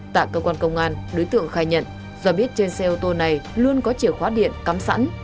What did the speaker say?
tại cơ quan công an đối tượng khai nhận do biết trên xe ô tô này luôn có chìa khóa điện cắm sẵn